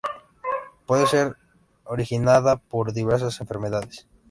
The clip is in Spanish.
Puede ser originada por diversas enfermedades.